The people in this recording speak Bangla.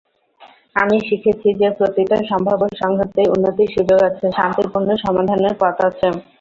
আমি শিখেছি যে প্রতিটা সম্ভাব্য সংঘাতেই উন্নতির সুযোগ আছে, শান্তিপূর্ণ সমাধানের পথ আছে।